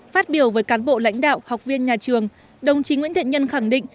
phát biểu với cán bộ lãnh đạo học viên nhà trường đồng chí nguyễn thiện nhân khẳng định